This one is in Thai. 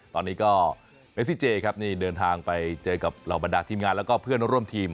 ตอนนี้ก็เมซิเจครับนี่เดินทางไปเจอกับเหล่าบรรดาทีมงานแล้วก็เพื่อนร่วมทีม